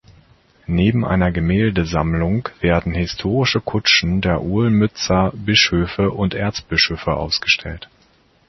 Neben einer Gemäldesammlung werden historische Kutschen der Olmützer Bischöfe und Erzbischöfe ausgestellt.